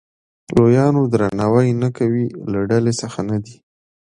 لویانو درناوی نه کوي له ډلې څخه نه دی.